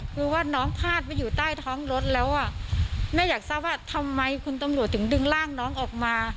คือว่าน้องพาดไปอยู่ใต้ท้องรถแล้วอ่ะแม่อยากทราบว่าทำไมคุณตำรวจถึงดึงร่างน้องออกมา